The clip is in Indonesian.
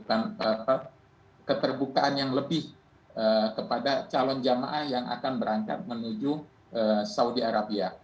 saudi arabia melakukan apa namanya bukan apa keterbukaan yang lebih kepada calon jamaah yang akan berangkat menuju saudi arabia